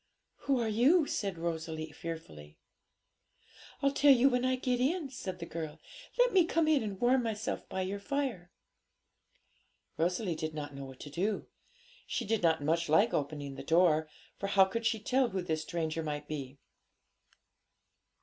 'Who are you?' said Rosalie fearfully. 'I'll tell you when I get in,' said the girl. 'Let me come and warm myself by your fire!' Rosalie did not know what to do. She did not much like opening the door, for how could she tell who this stranger might be?